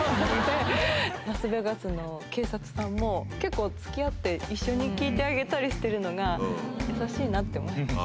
ラスベガスの警察さんも結構付き合って一緒に聞いてあげたりしてるのが優しいなって思いました。